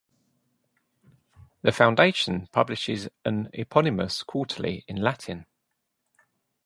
The foundation publishes an eponymous quarterly in Latin.